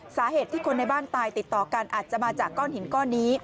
สาเหตุที่คนในบ้านตายติดต่อกันอาจจะมาจากก้อนหินก้อนนี้